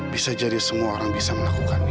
bisa jadi semua orang bisa melakukannya